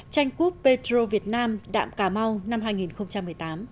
tranh cúp petro việt nam đạm cà mau năm hai nghìn một mươi tám